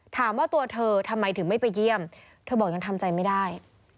ถามว่าตัวเธอทำไมถึงไม่ไปเยี่ยมเธอบอกยังทำใจไม่ได้